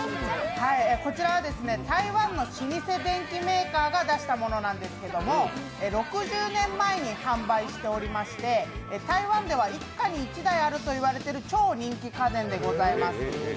こちらは台湾の老舗電器メーカーが出したものなんですけども、６０年前に販売しておりまして台湾では一家に一台あるといわれている超人気家電でございます。